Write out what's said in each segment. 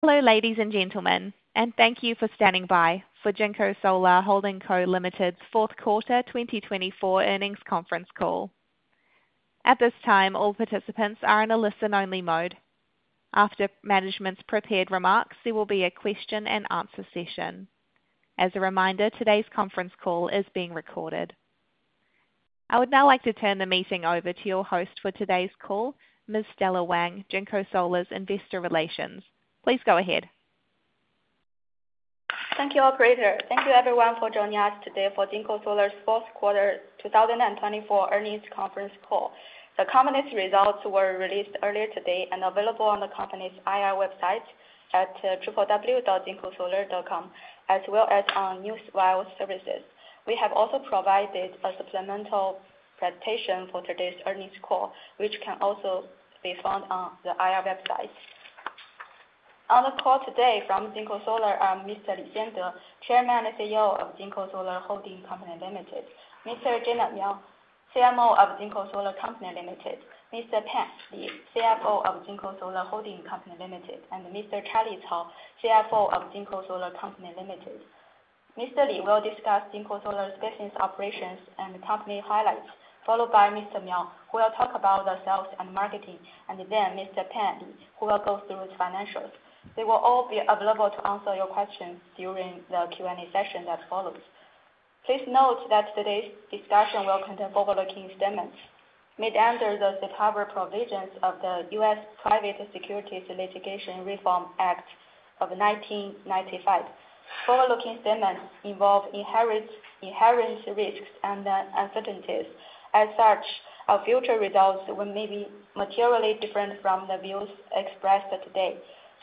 Hello, ladies and gentlemen, and thank you for standing by for JinkoSolar Holding Co., Ltd.'s fourth quarter 2024 earnings conference call. At this time, all participants are in a listen-only mode. After management's prepared remarks, there will be a question-and-answer session. As a reminder, today's conference call is being recorded. I would now like to turn the meeting over to your host for today's call, Ms. Stella Wang, JinkoSolar's Investor Relations. Please go ahead. Thank you, Operator. Thank you, everyone, for joining us today for JinkoSolar's fourth quarter 2024 earnings conference call. The company's results were released earlier today and available on the company's IR website at www.jinkosolar.com, as well as on newswire services. We have also provided a supplemental presentation for today's earnings call, which can also be found on the IR website. On the call today from JinkoSolar are Mr. Li Xiande, Chairman and CEO of JinkoSolar Holding Co., Ltd., Mr. Gener Miao, CMO of JinkoSolar Co., Ltd., Mr. Pan Li, CFO of JinkoSolar Holding Co., Ltd., and Mr. Charlie Cao, CFO of JinkoSolar Co., Ltd. Mr. Li will discuss JinkoSolar's business operations and company highlights, followed by Mr. Miao, who will talk about the sales and marketing, and then Mr. Pan Li, who will go through the financials. They will all be available to answer your questions during the Q&A session that follows. Please note that today's discussion will contain forward-looking statements. Made under the safe harbor provisions of the U.S. Private Securities Litigation Reform Act of 1995, forward-looking statements involve inherent risks and uncertainties. As such, our future results may be materially different from the views expressed today.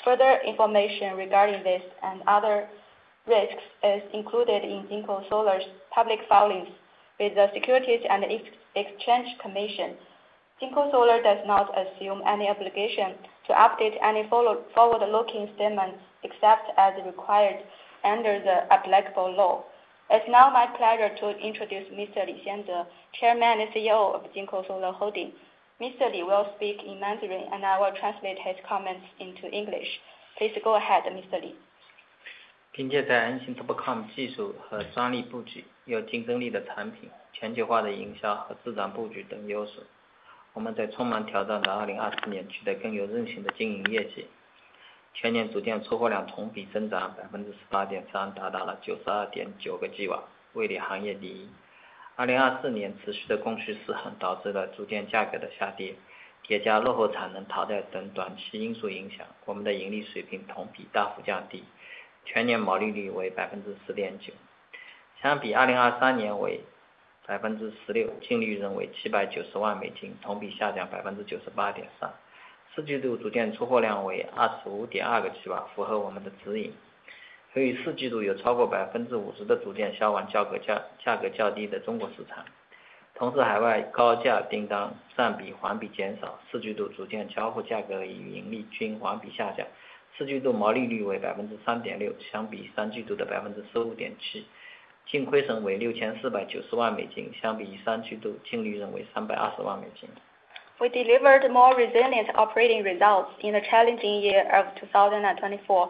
Further information regarding this and other risks is included in JinkoSolar's public filings with the Securities and Exchange Commission. JinkoSolar does not assume any obligation to update any forward-looking statements except as required under the applicable law. It's now my pleasure to introduce Mr. Li Xiande, Chairman and CEO of JinkoSolar Holding. Mr. Li will speak in Mandarin, and I will translate his comments into English. Please go ahead, Mr. Li. 凭借在 N型TOPCon We delivered more resilient operating results in the challenging year of 2024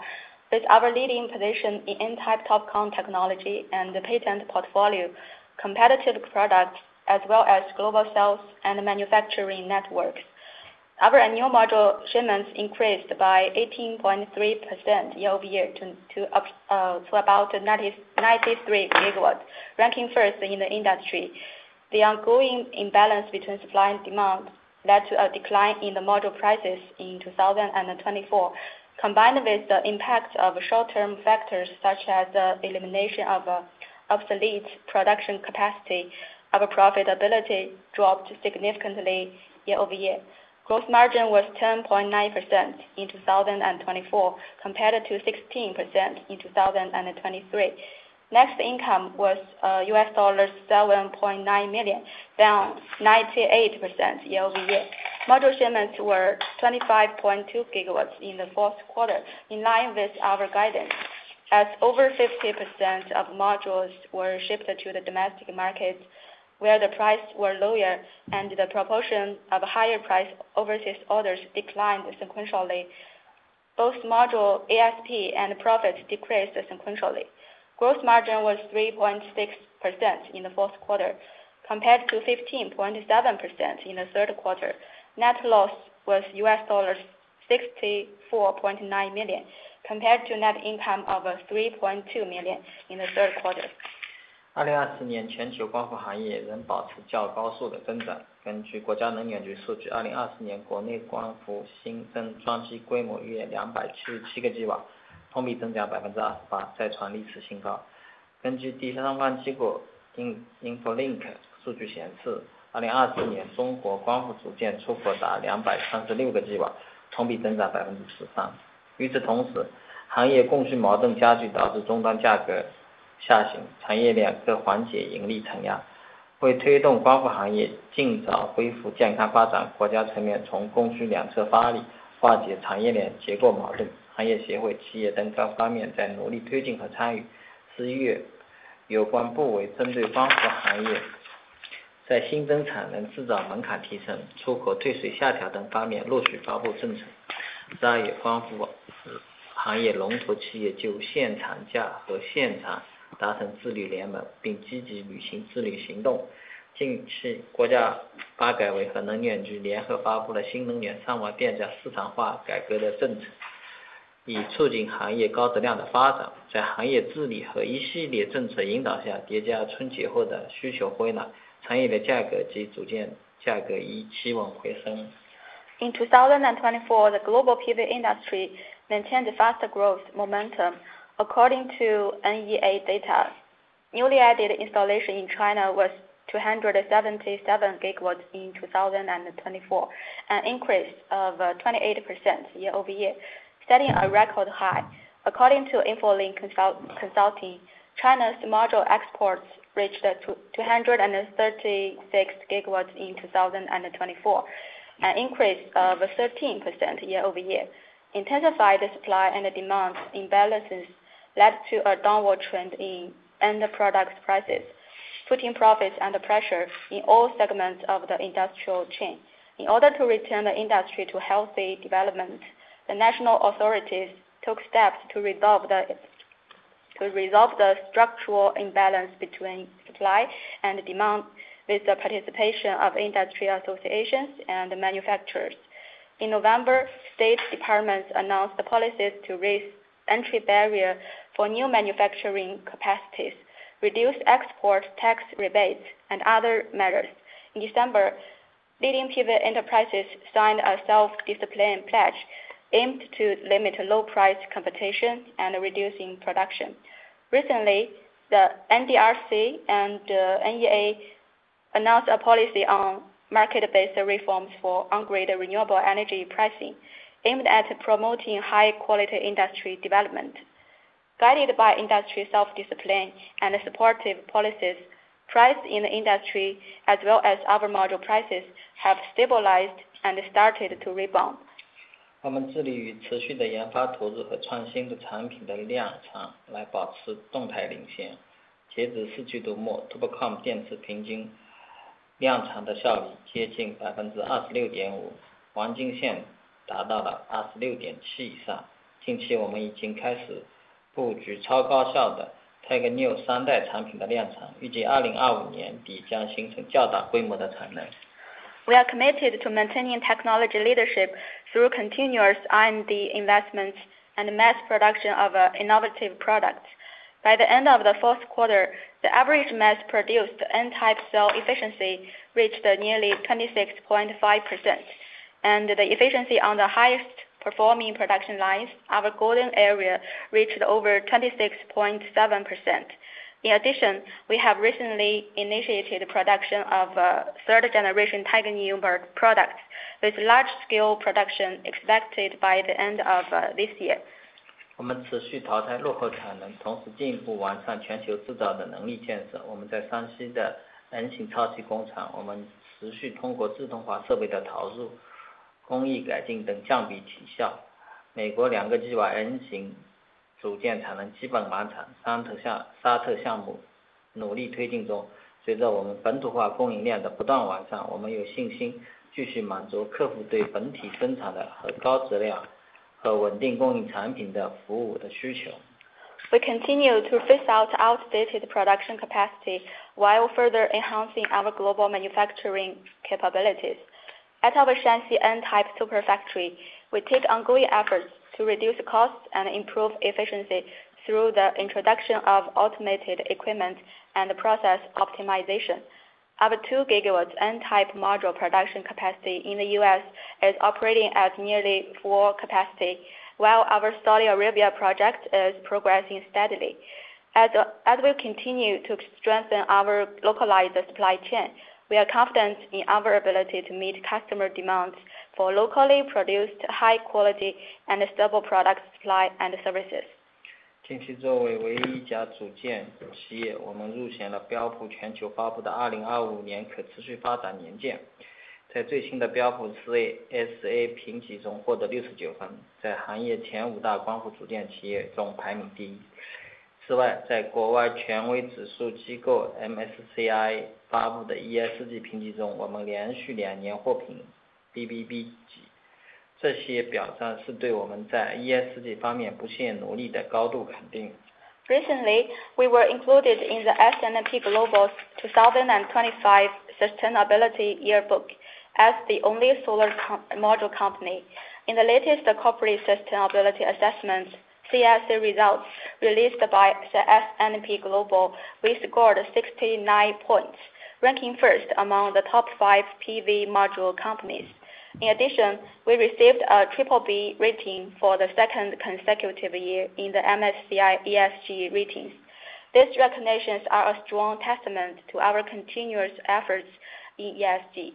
with our leading position in N-type TOPCon technology and patent portfolio, competitive products, as well as global sales and manufacturing networks. Our annual module shipments increased by 18.3% year over year to about 93 GW, ranking first in the industry. The ongoing imbalance between supply and demand led to a decline in the module prices in 2024. Combined with the impact of short-term factors such as the elimination of obsolete production capacity, our profitability dropped significantly year over year. Gross margin was 10.9% in 2024, compared to 16% in 2023. Net income was $7.9 million, down 98% year over year. Module shipments were 25.2 GW in the fourth quarter, in line with our guidance, as over 50% of modules were shipped to the domestic market, where the price was lower, and the proportion of higher-priced overseas orders declined sequentially. Both module ASP and profits decreased sequentially. Gross margin was 3.6% in the fourth quarter, compared to 15.7% in the third quarter. Net loss was $64.9 million, compared to net income of $3.2 million in the third quarter. In 2024, the global PV industry maintained a fast growth momentum. According to NEA data, newly added installation in China was 277 GW in 2024, an increase of 28% year over year, setting a record high. According to InfoLink Consulting, China's module exports reached 236 GW in 2024, an increase of 13% year over year. Intensified supply and demand imbalances led to a downward trend in end product prices, putting profits under pressure in all segments of the industrial chain. In order to return the industry to healthy development, the national authorities took steps to resolve the structural imbalance between supply and demand with the participation of industry associations and manufacturers. In November, state departments announced policies to raise entry barriers for new manufacturing capacities, reduce export tax rebates, and other measures. In December, leading PV enterprises signed a self-discipline pledge aimed to limit low-price competition and reduce production. Recently, the NDRC and NEA announced a policy on market-based reforms for on-grid renewable energy pricing, aimed at promoting high-quality industry development. Guided by industry self-discipline and supportive policies, price in the industry, as well as other module prices, have stabilized and started to rebound. We are committed to maintaining technology leadership through continuous R&D investments and mass production of innovative products. By the end of the fourth quarter, the average mass-produced N-type cell efficiency reached nearly 26.5%, and the efficiency on the highest-performing production lines, our Golden area, reached over 26.7%. In addition, we have recently initiated production of third-generation Tiger Neo products, with large-scale production expected by the end of this year. 我们持续淘汰落后产能，同时进一步完善全球制造的能力建设。我们在山西的N型超级工厂，我们持续通过自动化设备的投入、工艺改进等降低提效。美国两个计划N型组件产能基本满产，沙特项目努力推进中。随着我们本土化供应链的不断完善，我们有信心继续满足客户对本体生产的高质量和稳定供应产品的服务的需求。We continue to phase out outdated production capacity while further enhancing our global manufacturing capabilities. At our Shanxi N-type Super Factory, we take ongoing efforts to reduce costs and improve efficiency through the introduction of automated equipment and process optimization. Our 2 GW N-type module production capacity in the U.S. is operating at nearly full capacity, while our Saudi Arabia project is progressing steadily. As we continue to strengthen our localized supply chain, we are confident in our ability to meet customer demands for locally produced high-quality and stable product supply and services. 近期作为唯一一家组件企业，我们入选了标普全球发布的2025年可持续发展年鉴。在最新的标普CSA评级中获得69分，在行业前五大光伏组件企业中排名第一。此外，在国外权威指数机构MSCI发布的ESG评级中，我们连续两年获评BBB级。这些表彰是对我们在ESG方面不懈努力的高度肯定。Recently, we were included in the S&P Global 2025 Sustainability Yearbook as the only solar module company. In the latest corporate sustainability assessment, CSA results released by S&P Global scored 69 points, ranking first among the top five PV module companies. In addition, we received a BBB rating for the second consecutive year in the MSCI ESG ratings. These recognitions are a strong testament to our continuous efforts in ESG.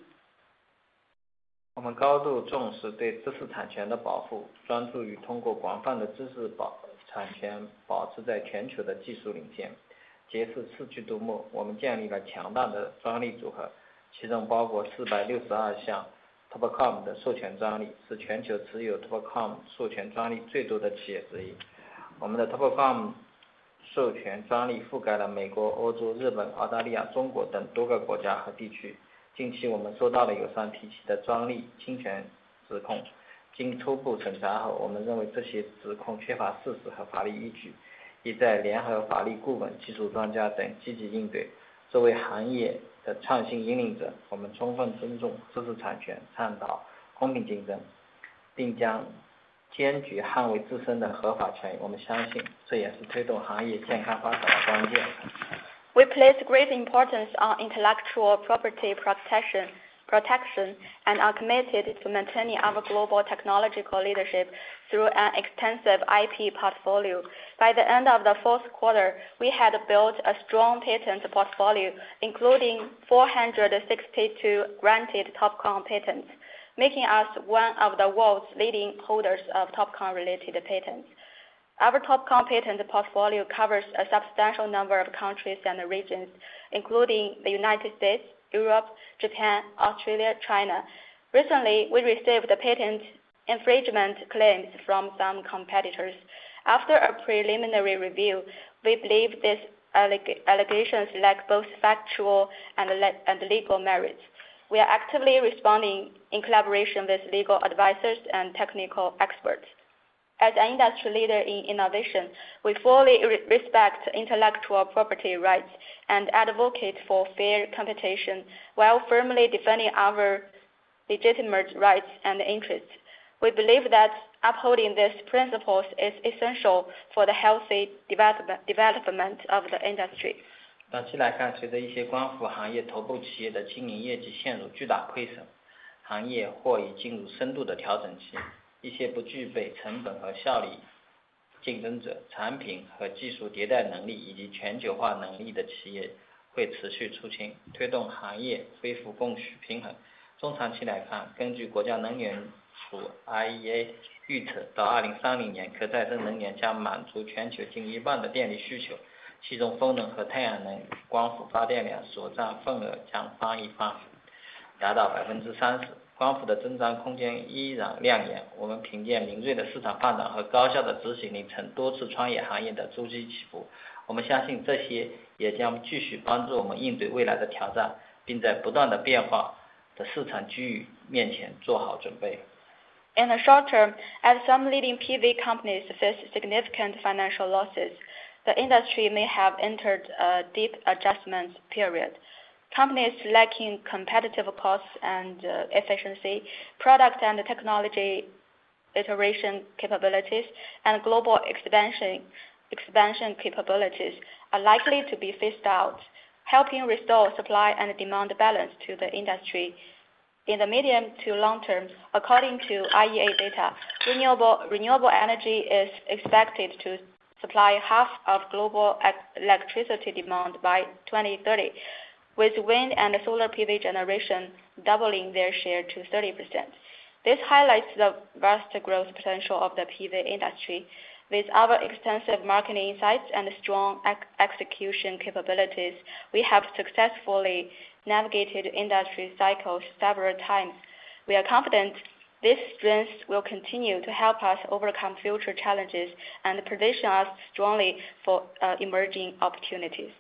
We place great importance on intellectual property protection and are committed to maintaining our global technological leadership through an extensive IP portfolio. By the end of the fourth quarter, we had built a strong patent portfolio, including 462 granted TOPCon patents, making us one of the world's leading holders of TOPCon-related patents. Our TOPCon patent portfolio covers a substantial number of countries and regions, including the United States, Europe, Japan, Australia, China. Recently, we received patent infringement claims from some competitors. After a preliminary review, we believe these allegations lack both factual and legal merits. We are actively responding in collaboration with legal advisors and technical experts. As an industry leader in innovation, we fully respect intellectual property rights and advocate for fair competition while firmly defending our legitimate rights and interests. We believe that upholding these principles is essential for the healthy development of the industry. 短期来看，随着一些光伏行业头部企业的经营业绩陷入巨大亏损，行业或已进入深度的调整期。一些不具备成本和效率竞争者，产品和技术迭代能力以及全球化能力的企业会持续出清，推动行业恢复供需平衡。中长期来看，根据国家能源署IEA预测，到2030年可再生能源将满足全球近一半的电力需求，其中风能和太阳能光伏发电量所占份额将翻一番，达到30%。光伏的增长空间依然亮眼。我们凭借敏锐的市场判断和高效的执行力，曾多次创业行业的租金起伏。我们相信这些也将继续帮助我们应对未来的挑战，并在不断变化的市场机遇面前做好准备。In the short term, as some leading PV companies face significant financial losses, the industry may have entered a deep adjustment period. Companies lacking competitive costs and efficiency, product and technology iteration capabilities, and global expansion capabilities are likely to be phased out, helping restore supply and demand balance to the industry. In the medium to long term, according to IEA data, renewable energy is expected to supply half of global electricity demand by 2030, with wind and solar PV generation doubling their share to 30%. This highlights the vast growth potential of the PV industry. With our extensive market insights and strong execution capabilities, we have successfully navigated industry cycles several times. We are confident these strengths will continue to help us overcome future challenges and position us strongly for emerging opportunities.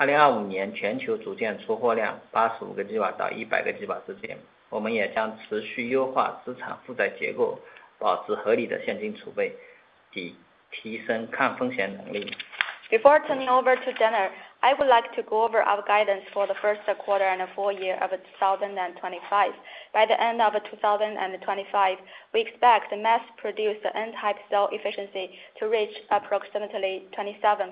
Before turning over to Gener, I would like to go over our guidance for the first quarter and the full year of 2025. By the end of 2025, we expect mass-produced N-type cell efficiency to reach approximately 27%.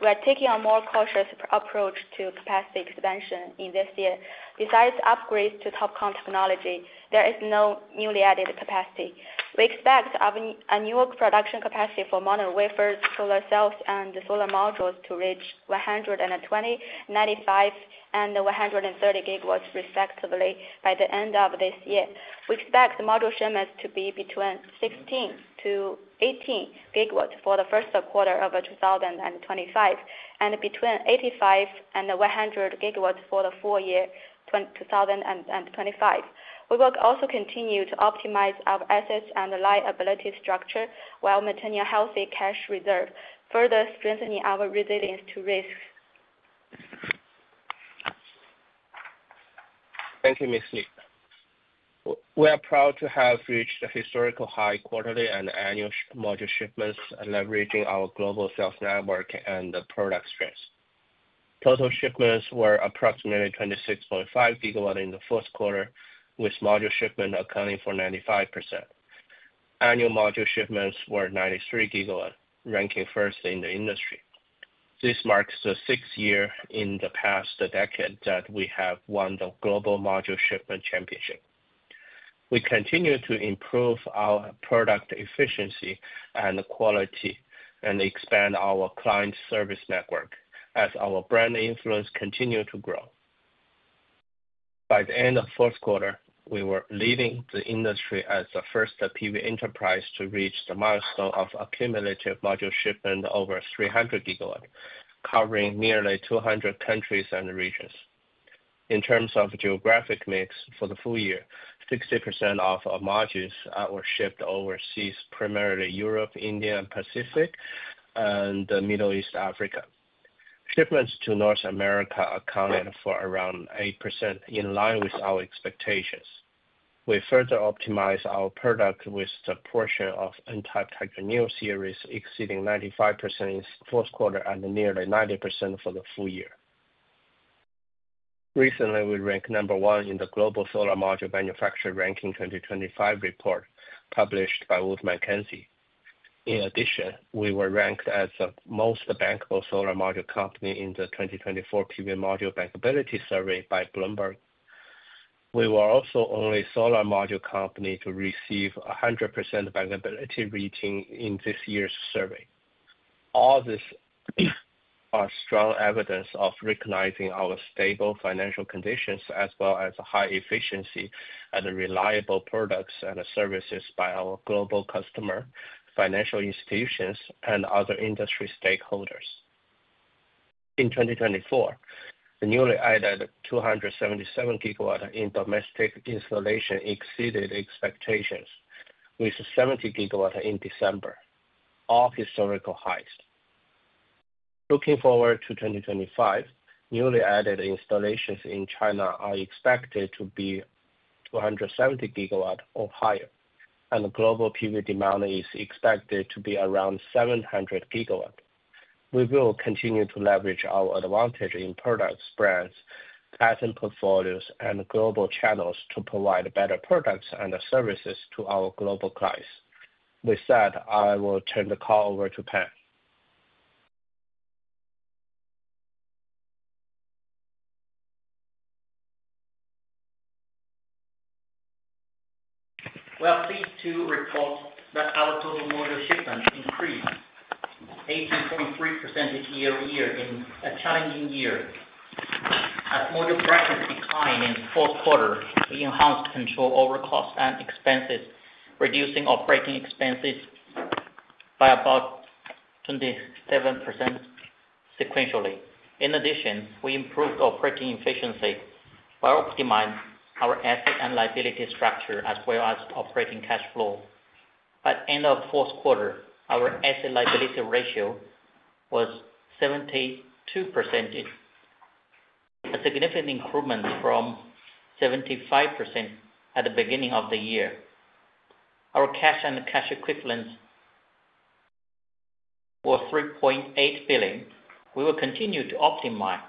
We are taking a more cautious approach to capacity expansion in this year. Besides upgrades to TOPCon technology, there is no newly added capacity. We expect new production capacity for mono wafers, solar cells, and solar modules to reach 120, 95, and 130 gigawatts respectively by the end of this year. We expect module shipments to be between 16-18 gigawatts for the first quarter of 2025 and between 85-100 gigawatts for the full year 2025. We will also continue to optimize our assets and liability structure while maintaining a healthy cash reserve, further strengthening our resilience to risks. Thank you, Mr. Li. We are proud to have reached a historical high quarterly and annual module shipments, leveraging our global sales network and product strength. Total shipments were approximately 26.5 GW in the fourth quarter, with module shipments accounting for 95%. Annual module shipments were 93 GW, ranking first in the industry. This marks the sixth year in the past decade that we have won the global module shipment championship. We continue to improve our product efficiency and quality and expand our client service network as our brand influence continues to grow. By the end of the fourth quarter, we were leading the industry as the first PV enterprise to reach the milestone of accumulative module shipment over 300 GW, covering nearly 200 countries and regions. In terms of geographic mix for the full year, 60% of our modules were shipped overseas, primarily Europe, India, Asia-Pacific, Middle East, and Africa. Shipments to North America accounted for around 8%, in line with our expectations. We further optimized our product with the portion of N-type Tiger Neo series exceeding 95% in the fourth quarter and nearly 90% for the full year. Recently, we ranked number one in the Global Solar Module Manufacturer Ranking 2025 report published by Wood Mackenzie. In addition, we were ranked as the most bankable solar module company in the 2024 PV Module Bankability Survey by Bloomberg. We were also the only solar module company to receive a 100% bankability rating in this year's survey. All these are strong evidence of recognizing our stable financial conditions, as well as high efficiency and reliable products and services by our global customers, financial institutions, and other industry stakeholders. In 2024, the newly added 277 gigawatts in domestic installation exceeded expectations, with 70 gigawatts in December, all historical highs. Looking forward to 2025, newly added installations in China are expected to be 270 gigawatts or higher, and the global PV demand is expected to be around 700 gigawatts. We will continue to leverage our advantage in products, brands, patent portfolios, and global channels to provide better products and services to our global clients. With that, I will turn the call over to Pan. We are pleased to report that our total module shipments increased 18.3% year over year in a challenging year. As module prices declined in the fourth quarter, we enhanced control over costs and expenses, reducing operating expenses by about 27% sequentially. In addition, we improved operating efficiency by optimizing our asset and liability structure, as well as operating cash flow. By the end of the fourth quarter, our asset liability ratio was 72%, a significant improvement from 75% at the beginning of the year. Our cash and cash equivalents were 3.8 billion. We will continue to optimize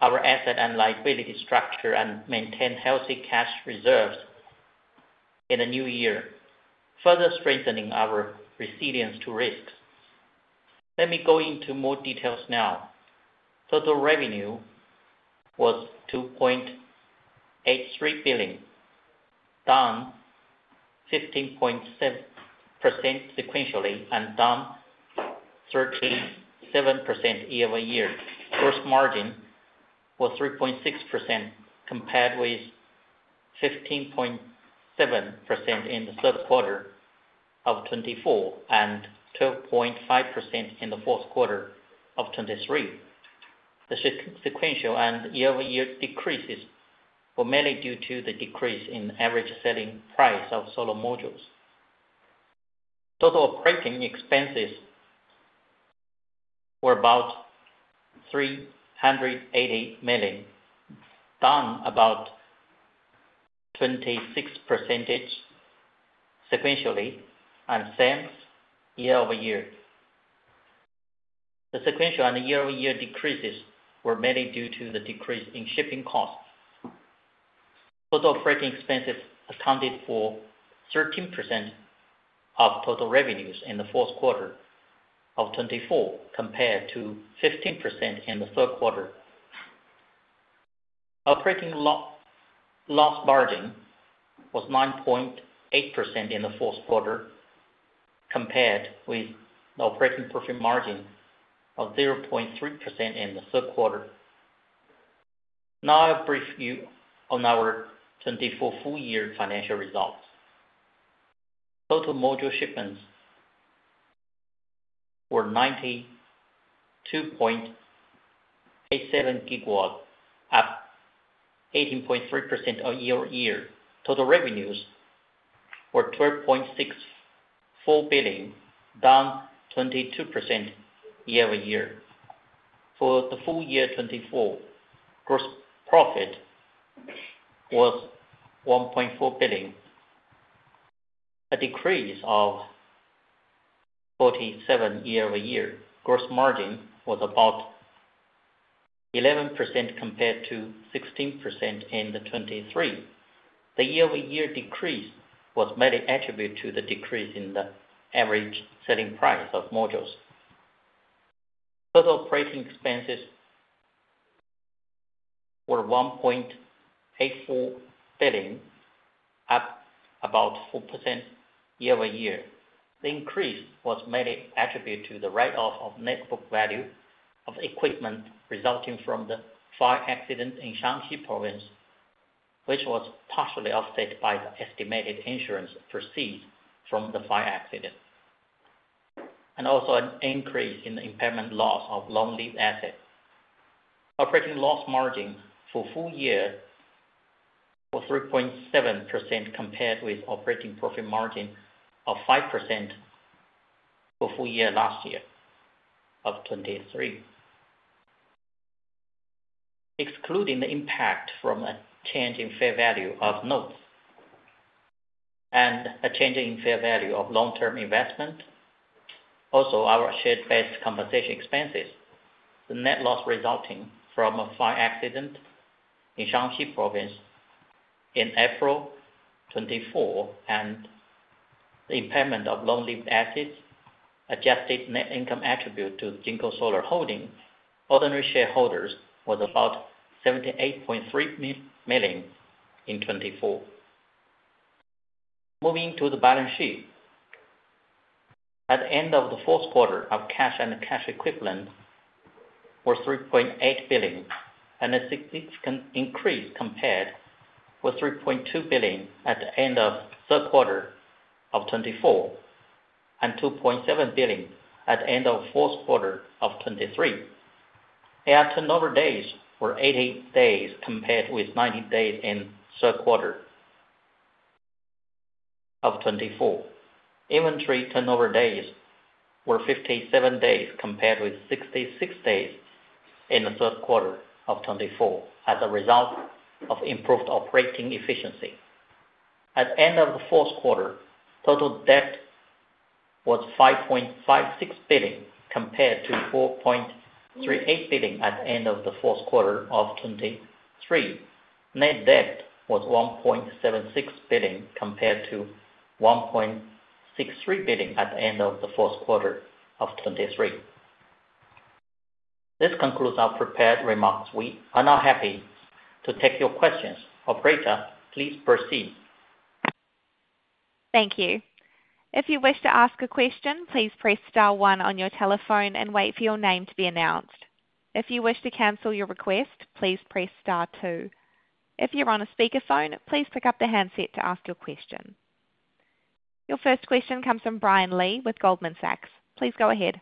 our asset and liability structure and maintain healthy cash reserves in the new year, further strengthening our resilience to risks. Let me go into more details now. Total revenue was RMB 2.83 billion, down 15.7% sequentially, and down 37% year over year. Gross margin was 3.6%, compared with 15.7% in the third quarter of 2024 and 12.5% in the fourth quarter of 2023. The sequential and year-over-year decreases were mainly due to the decrease in average selling price of solar modules. Total operating expenses were about $380 million, down about 26% sequentially and same year over year. The sequential and year-over-year decreases were mainly due to the decrease in shipping costs. Total operating expenses accounted for 13% of total revenues in the fourth quarter of 2024, compared to 15% in the third quarter. Operating loss margin was 9.8% in the fourth quarter, compared with operating profit margin of 0.3% in the third quarter. Now, a brief view on our 2024 full year financial results. Total module shipments were 92.87 GW, up 18.3% year over year. Total revenues were $12.64 billion, down 22% year over year. For the full year 2024, gross profit was $1.4 billion, a decrease of 47% year over year. Gross margin was about 11% compared to 16% in 2023. The year-over-year decrease was mainly attributed to the decrease in the average selling price of modules. Total operating expenses were $1.84 billion, up about 4% year over year. The increase was mainly attributed to the write-off of net book value of equipment resulting from the fire accident in Shanxi Province, which was partially offset by the estimated insurance proceeds from the fire accident, and also an increase in the impairment loss of long-lived assets. Operating loss margin for full year was 3.7% compared with operating profit margin of 5% for full year last year of 2023. Excluding the impact from a change in fair value of notes and a change in fair value of long-term investment, also our share-based compensation expenses, the net loss resulting from a fire accident in Shanxi Province in April 2024, and the impairment of long-lived assets, adjusted net income attributable to JinkoSolar Holding ordinary shareholders was about $78.3 million in 2024. Moving to the balance sheet, at the end of the fourth quarter, our cash and cash equivalents were $3.8 billion, a significant increase compared with $3.2 billion at the end of the third quarter of 2024 and $2.7 billion at the end of the fourth quarter of 2023. AR turnover days were 80 days compared with 90 days in the third quarter of 2024. Inventory turnover days were 57 days compared with 66 days in the third quarter of 2024, as a result of improved operating efficiency. At the end of the fourth quarter, total debt was 5.56 billion compared to 4.38 billion at the end of the fourth quarter of 2023. Net debt was 1.76 billion compared to 1.63 billion at the end of the fourth quarter of 2023. This concludes our prepared remarks. We are now happy to take your questions. Operator, please proceed. Thank you. If you wish to ask a question, please press star one on your telephone and wait for your name to be announced. If you wish to cancel your request, please press star two. If you're on a speakerphone, please pick up the handset to ask your question. Your first question comes from Brian Lee with Goldman Sachs. Please go ahead.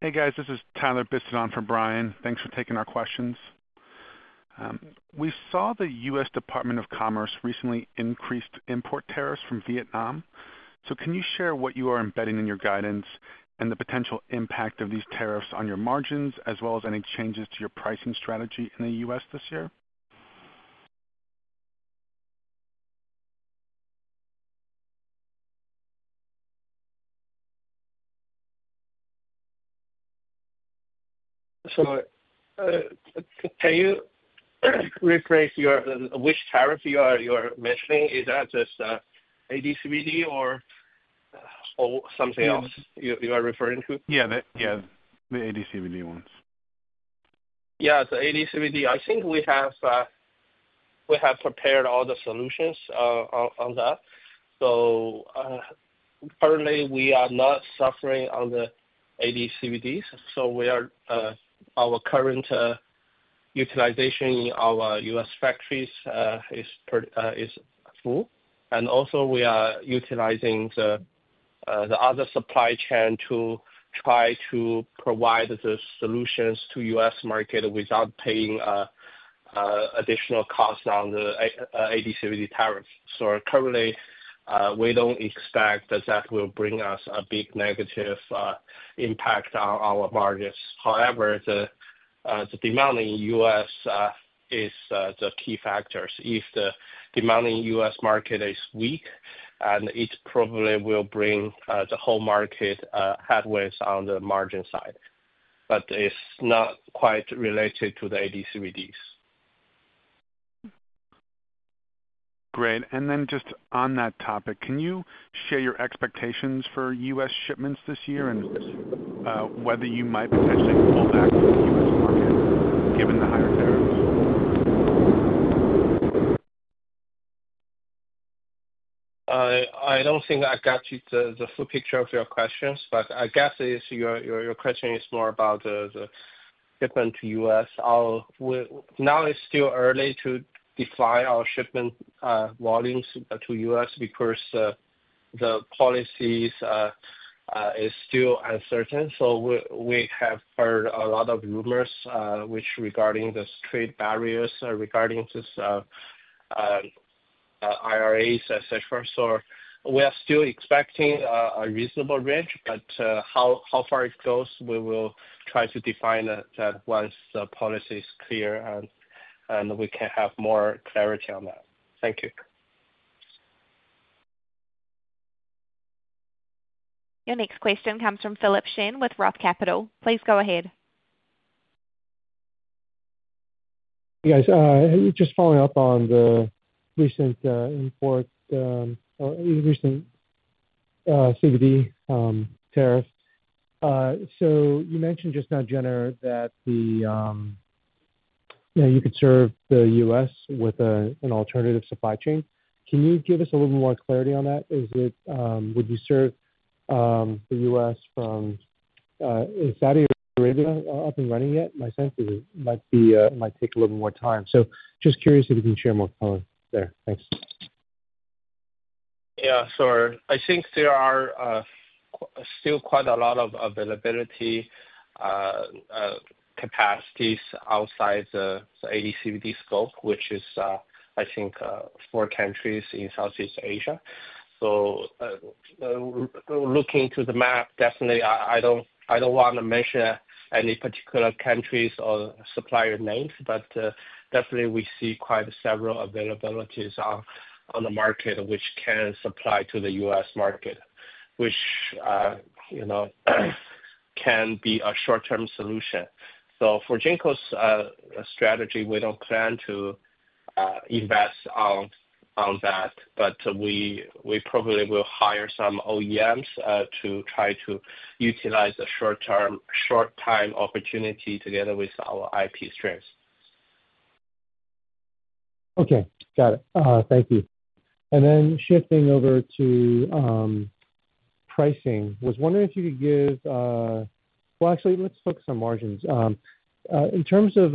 Hey, guys. This is Tyler Bisset on from Brian. Thanks for taking our questions. We saw the U.S. Department of Commerce recently increase import tariffs from Vietnam. Can you share what you are embedding in your guidance and the potential impact of these tariffs on your margins, as well as any changes to your pricing strategy in the U.S. this year? Can you rephrase which tariff you are mentioning? Is that just ADCVD or something else you are referring to? Yeah, the ADCVD ones. Yeah, the ADCVD. I think we have prepared all the solutions on that. Currently, we are not suffering on the ADCVDs. Our current utilization in our U.S. factories is full. Also, we are utilizing the other supply chain to try to provide the solutions to the U.S. market without paying additional costs on the ADCVD tariffs. Currently, we do not expect that that will bring us a big negative impact on our margins. However, the demand in the U.S. is the key factors. If the demand in the U.S. market is weak, it probably will bring the whole market headwinds on the margin side. It is not quite related to the ADCVDs. Great. On that topic, can you share your expectations for U.S. shipments this year and whether you might potentially pull back from the U.S. market given the higher tariffs? I don't think I got the full picture of your questions. I guess your question is more about the shipment to the U.S. Now, it's still early to define our shipment volumes to the U.S. because the policy is still uncertain. We have heard a lot of rumors regarding the trade barriers regarding these IRAs, etc. We are still expecting a reasonable range. How far it goes, we will try to define that once the policy is clear, and we can have more clarity on that. Thank you. Your next question comes from Philip Shen with Roth Capital. Please go ahead. Hey, guys. Just following up on the recent import or recent CVD tariffs. You mentioned just now, Gener, that you could serve the U.S. with an alternative supply chain. Can you give us a little more clarity on that? Would you serve the U.S. from Saudi Arabia up and running yet? My sense is it might take a little more time. Just curious if you can share more color there. Thanks. Yeah. I think there are still quite a lot of available capacities outside the ADCVD scope, which is, I think, four countries in Southeast Asia. Looking to the map, I do not want to mention any particular countries or supplier names. We see quite several availabilities on the market, which can supply to the U.S. market, which can be a short-term solution. For Jinko's strategy, we do not plan to invest on that. We probably will hire some OEMs to try to utilize the short-time opportunity together with our IP strengths. Okay. Got it. Thank you. And then shifting over to pricing, was wondering if you could give, well, actually, let's focus on margins. In terms of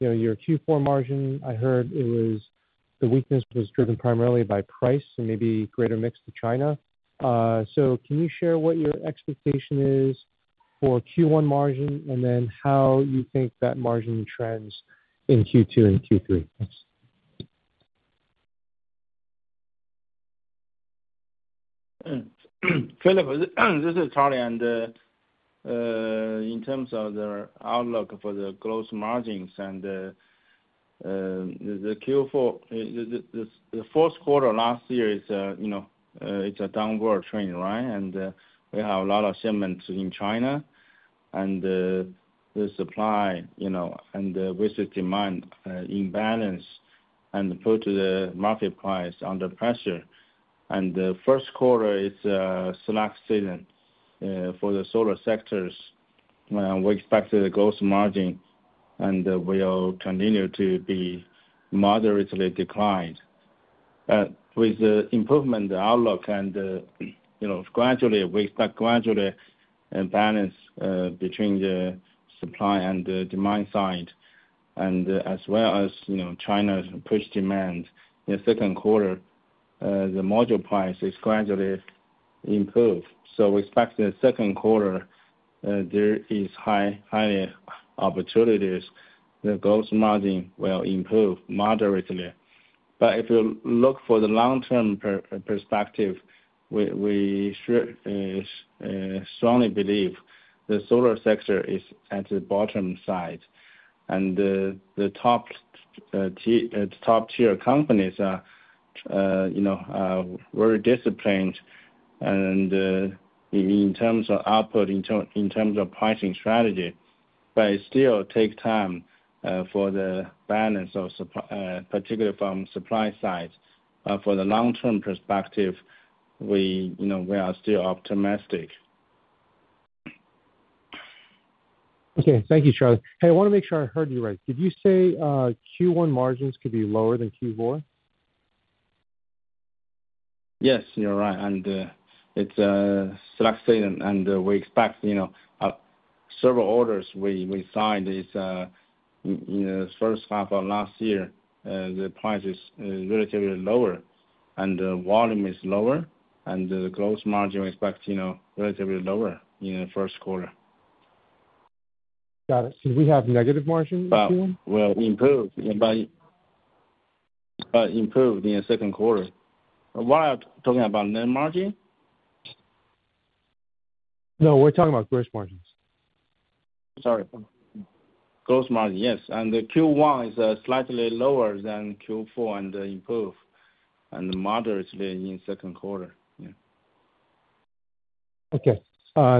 your Q4 margin, I heard the weakness was driven primarily by price and maybe greater mix to China. So can you share what your expectation is for Q1 margin and then how you think that margin trends in Q2 and Q3? Thanks. Philip, this is Charlie. In terms of the outlook for the gross margins and the Q4, the fourth quarter last year, it is a downward trend, right? We have a lot of shipments in China. The supply and the demand imbalance put the market price under pressure. The first quarter is a slack season for the solar sectors. We expect the gross margin will continue to be moderately declined. With the improvement outlook, we expect gradually a balance between the supply and the demand side. As well as China push demand, in the second quarter, the module price is gradually improved. We expect in the second quarter, there is high opportunities the gross margin will improve moderately. If you look for the long-term perspective, we strongly believe the solar sector is at the bottom side. The top-tier companies are very disciplined in terms of output, in terms of pricing strategy. It still takes time for the balance, particularly from the supply side. For the long-term perspective, we are still optimistic. Okay. Thank you, Charlie. Hey, I want to make sure I heard you right. Did you say Q1 margins could be lower than Q4? Yes, you're right. It is a slack season. We expect several orders we signed in the first half of last year, the price is relatively lower, and the volume is lower. The gross margin we expect is relatively lower in the first quarter. Got it. We have negative margin in Q1? We'll improve, but improve in the second quarter. What are you talking about, net margin? No, we're talking about gross margins. Sorry. Gross margin, yes. Q1 is slightly lower than Q4 and improved moderately in the second quarter. Okay.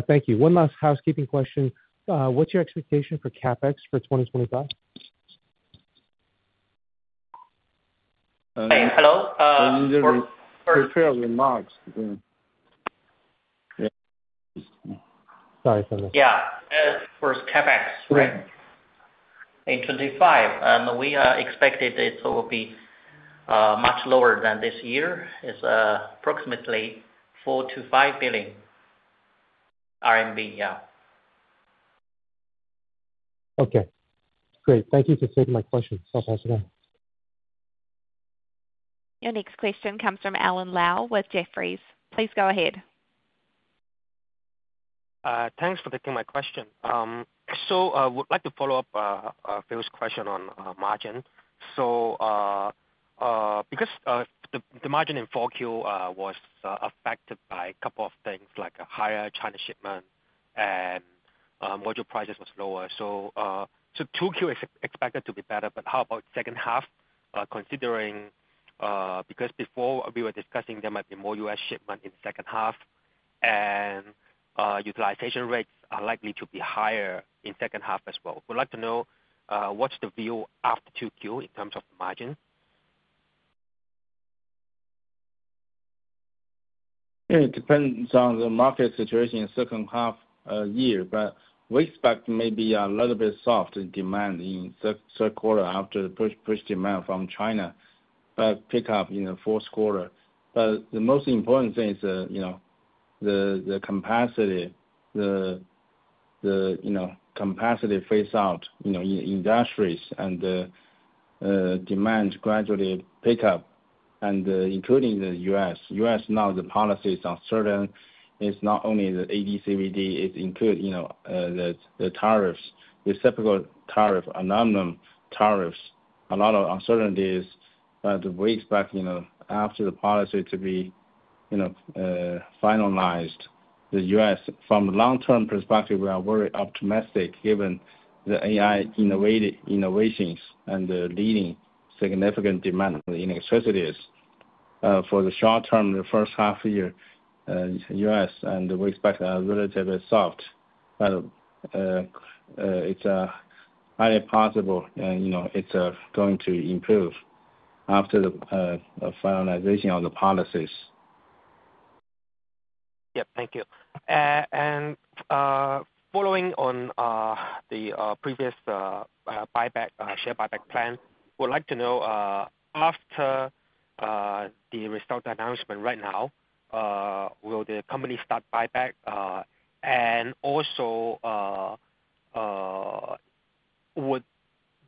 Thank you. One last housekeeping question. What's your expectation for CapEx for 2025? Hello. Repeat your remarks. Sorry, Philip. Yeah. For CapEx in 2025, we expect it will be much lower than this year. It's approximately RMB 4-5 billion, yeah. Okay. Great. Thank you for taking my questions. I'll pass it on. Your next question comes from Alan Lau with Jefferies. Please go ahead. Thanks for taking my question. I would like to follow up Philip's question on margin. The margin in Q4 was affected by a couple of things, like higher China shipment and module prices was lower. 2Q is expected to be better. How about second half, considering because before we were discussing, there might be more US shipment in the second half, and utilization rates are likely to be higher in the second half as well. We'd like to know what's the view after 2Q in terms of margin. It depends on the market situation in the second half year. We expect maybe a little bit soft demand in the third quarter after the push demand from China pick up in the fourth quarter. The most important thing is the capacity, the capacity phase-out in industries, and the demand gradually pick up, including the U.S. U.S. now, the policy is uncertain. It's not only the ADCVD; it includes the tariffs, reciprocal tariff, aluminum tariffs. A lot of uncertainties. We expect after the policy to be finalized, the U.S., from the long-term perspective, we are very optimistic given the AI innovations and leading significant demand in electricity. For the short term, the first half year, U.S., and we expect relatively soft. It's highly possible it's going to improve after the finalization of the policies. Yep. Thank you. Following on the previous share buyback plan, we'd like to know after the result announcement right now, will the company start buyback? Also, would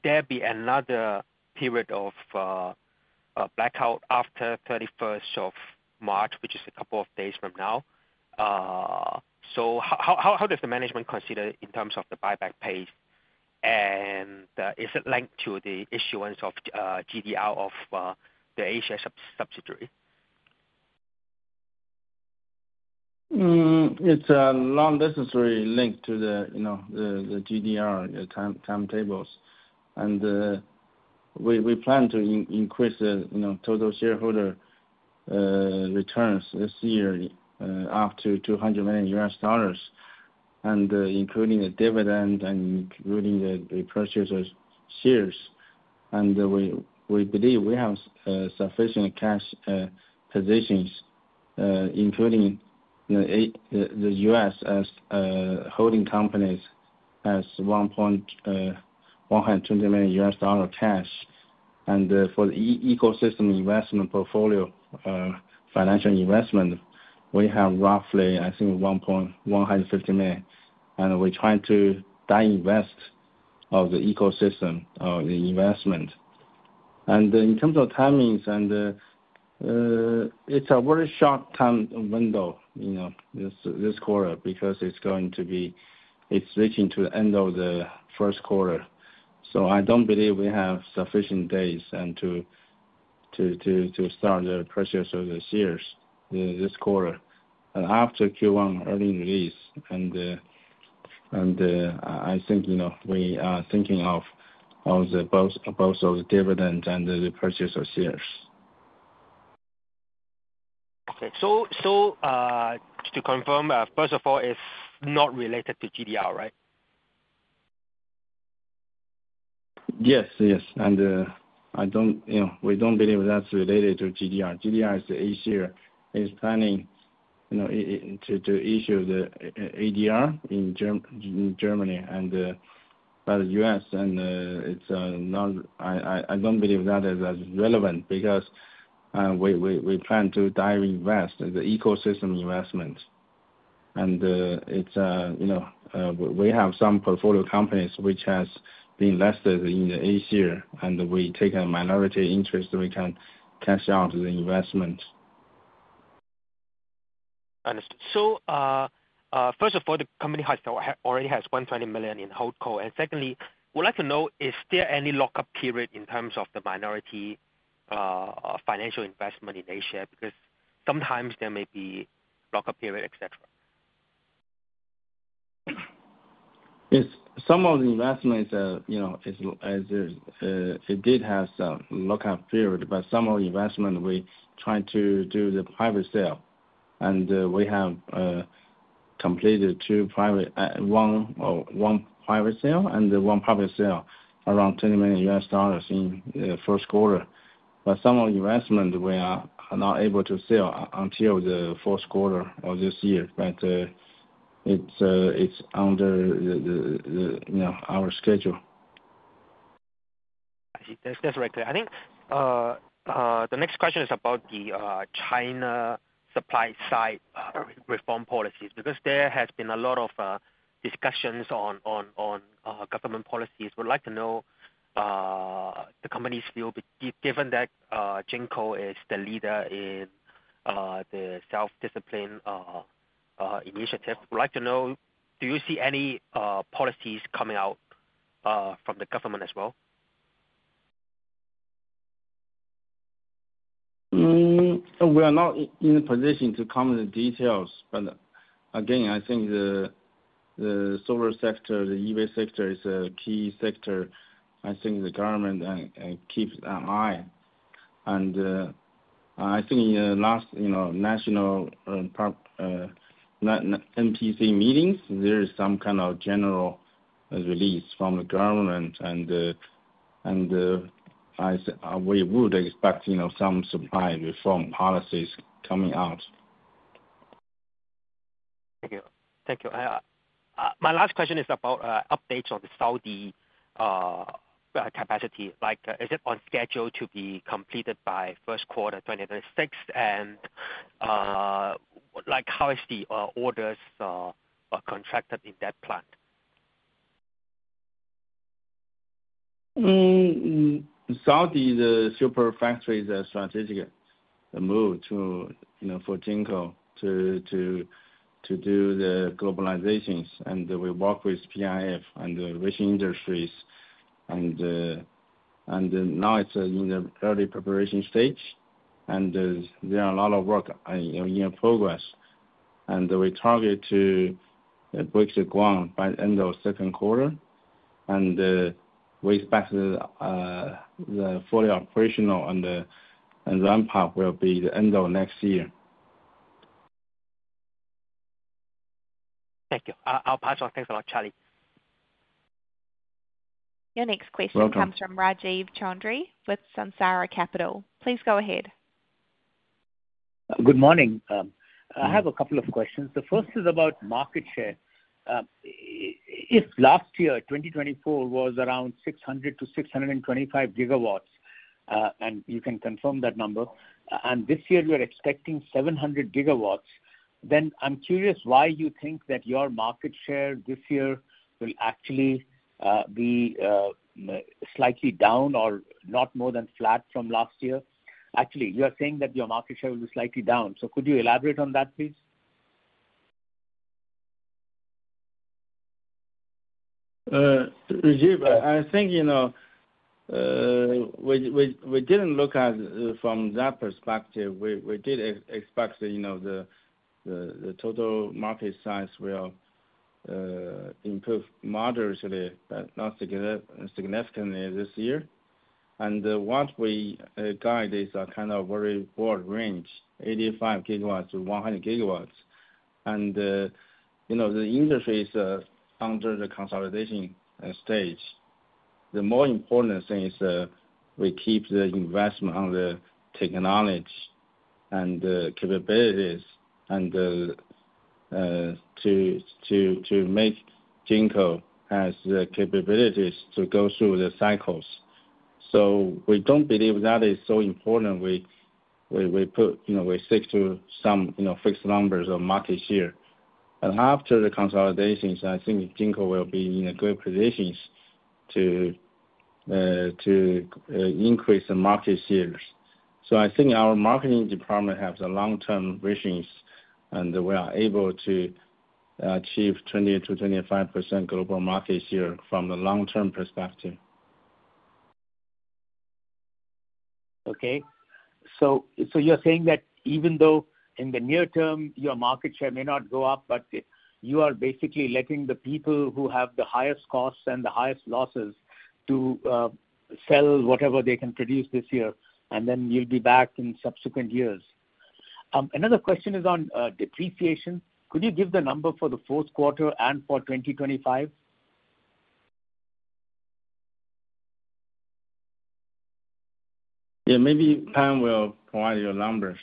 there be another period of blackout after 31st of March, which is a couple of days from now? How does the management consider in terms of the buyback pace? Is it linked to the issuance of GDR of the Asia subsidiary? It's a non-necessary link to the GDR timetables. We plan to increase the total shareholder returns this year up to $200 million, including the dividend and including the purchase of shares. We believe we have sufficient cash positions, including the U.S. holding company as $120 million cash. For the ecosystem investment portfolio, financial investment, we have roughly, I think, $150 million. We're trying to divest of the ecosystem of the investment. In terms of timings, it's a very short-term window this quarter because it's going to be, it's reaching to the end of the first quarter. I don't believe we have sufficient days to start the purchase of the shares this quarter after Q1 earning release. I think we are thinking of both of the dividends and the purchase of shares. Okay. To confirm, first of all, it's not related to GDR, right? Yes, yes. We do not believe that is related to GDR. GDR is the issuer. It is planning to issue the GDR in Germany and by the US. I do not believe that is as relevant because we plan to divest the ecosystem investment. We have some portfolio companies which have been listed in Asia. We take a minority interest so we can cash out the investment. Understood. First of all, the company already has $120 million in HoldCo. Secondly, we'd like to know, is there any lockup period in terms of the minority financial investment in Asia? Because sometimes there may be lockup period, etc. Yes. Some of the investments, it did have some lockup period. Some of the investment, we try to do the private sale. We have completed one private sale and one public sale around $20 million in the first quarter. Some of the investment, we are not able to sell until the fourth quarter of this year. It is under our schedule. That's right. I think the next question is about the China supply side reform policies because there has been a lot of discussions on government policies. We'd like to know the company's view, given that Jinko is the leader in the self-discipline initiative. We'd like to know, do you see any policies coming out from the government as well? We are not in a position to comment on the details. Again, I think the solar sector, the EV sector is a key sector. I think the government keeps an eye. I think in the last national NPC meetings, there is some kind of general release from the government. We would expect some supply reform policies coming out. Thank you. Thank you. My last question is about updates on the Saudi capacity. Is it on schedule to be completed by first quarter 2026? How is the orders contracted in that plant? Saudi's Super Factory is a strategic move for Jinko to do the globalizations. We work with PIF and the Vision Industries. It is in the early preparation stage. There is a lot of work in progress. We target to break the ground by the end of the second quarter. We expect the fully operational and the ramp up will be the end of next year. Thank you. I'll pass on. Thanks a lot, Charlie. Your next question comes from Rajiv Chaudhri with Sunsara Capital. Please go ahead. Good morning. I have a couple of questions. The first is about market share. If last year, 2024, was around 600-625 gigawatts, and you can confirm that number, and this year you're expecting 700 gigawatts, then I'm curious why you think that your market share this year will actually be slightly down or not more than flat from last year. Actually, you are saying that your market share will be slightly down. Could you elaborate on that, please? Rajiv, I think we did not look at it from that perspective. We did expect the total market size will improve moderately, but not significantly this year. What we guide is a kind of very broad range, 85 gigawatts-100 gigawatts. The industry is under the consolidation stage. The more important thing is we keep the investment on the technology and the capabilities to make Jinko has the capabilities to go through the cycles. We do not believe that is so important. We stick to some fixed numbers of market share. After the consolidations, I think Jinko will be in a good position to increase the market shares. I think our marketing department has a long-term vision, and we are able to achieve 20%-25% global market share from the long-term perspective. Okay. You are saying that even though in the near term, your market share may not go up, you are basically letting the people who have the highest costs and the highest losses sell whatever they can produce this year, and then you will be back in subsequent years. Another question is on depreciation. Could you give the number for the fourth quarter and for 2025? Yeah. Maybe Pan will provide your numbers.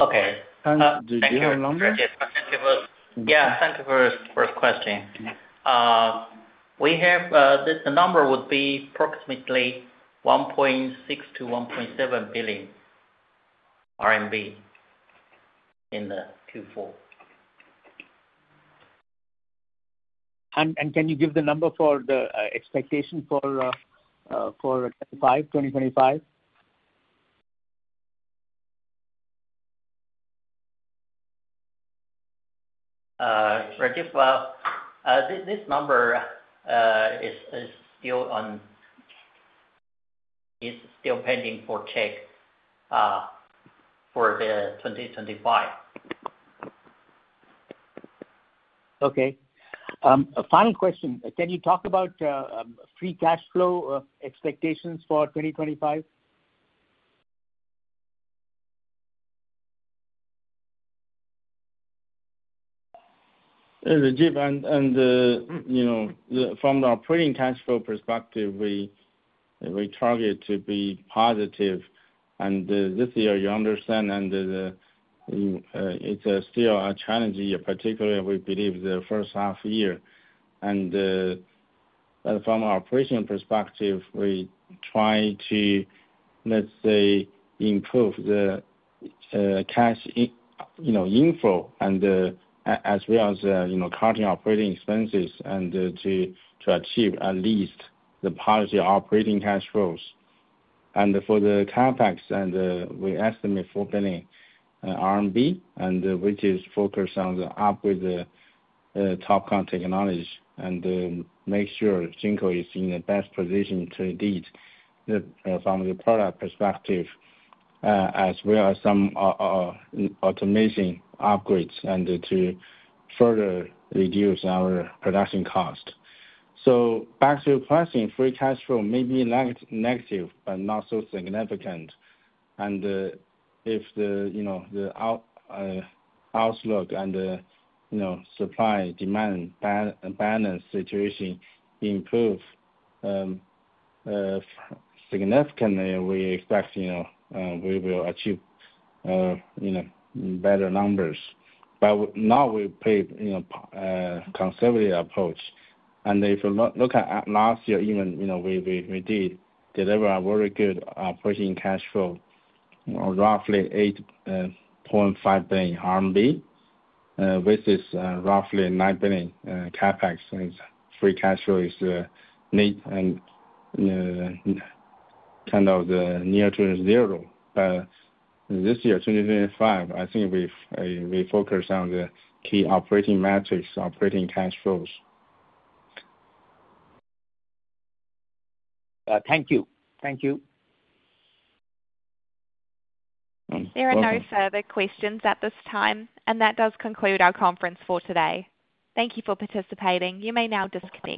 Okay. Do you have your numbers? Yeah. Thank you for the first question. The number would be approximately 1.6 billion-1.7 billion RMB in the Q4. Can you give the number for the expectation for 2025? Rajiv, this number is still pending for check for the 2025. Okay. Final question. Can you talk about free cash flow expectations for 2025? Rajiv, from the operating cash flow perspective, we target to be positive. This year, you understand, and it's still a challenge year, particularly we believe the first half year. From an operation perspective, we try to, let's say, improve the cash inflow as well as cutting operating expenses and to achieve at least the positive operating cash flows. For the CapEx, we estimate RMB 4 billion, which is focused on the upgrade of the TOPCon technology and make sure Jinko is in the best position to lead from the product perspective as well as some automation upgrades and to further reduce our production cost. Back to your question, free cash flow may be negative, but not so significant. If the outlook and the supply-demand balance situation improves significantly, we expect we will achieve better numbers. Now we play a conservative approach. If you look at last year, even we did deliver a very good operating cash flow, roughly 8.5 billion RMB versus roughly 9 billion CapEx. Free cash flow is kind of near to zero. This year, 2025, I think we focus on the key operating metrics, operating cash flows. Thank you. Thank you. There are no further questions at this time. That does conclude our conference for today. Thank you for participating. You may now disconnect.